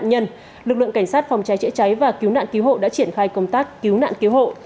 nhân lực lượng cảnh sát phòng cháy chữa cháy và cứu nạn cứu hộ đã triển khai công tác cứu nạn cứu hộ